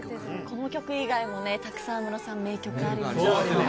この曲以外もたくさん安室さん名曲ありますからね。